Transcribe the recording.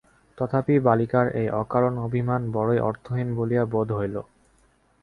তথাপি বালিকার এই অকারণ অভিমান বড়োই অর্থহীন বলিয়া বোধ হইল।